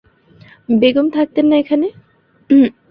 বেগম থাকতেন না এখানে?